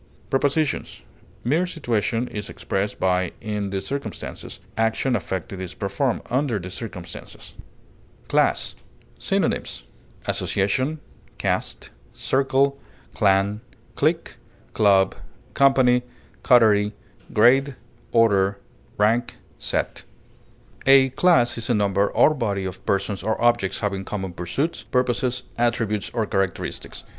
Prepositions: "Mere situation is expressed by 'in the circumstances'; action affected is performed 'under the circumstances.'" [M.] CLASS. Synonyms: association, circle, clique, company, grade, rank, caste, clan, club, coterie, order, set. A class is a number or body of persons or objects having common pursuits, purposes, attributes, or characteristics.